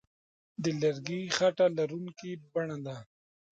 د لرګي خټه لرونکې بڼه ده.